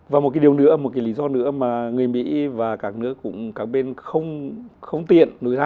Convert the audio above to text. và một cái điều nữa một cái lý do nữa mà người mỹ và các nước cũng các bên không tiện nổi ra